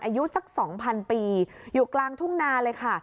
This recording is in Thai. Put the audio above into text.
อายุสัก๒๐๐ปีอยู่กลางทุ่งนาเลยค่ะ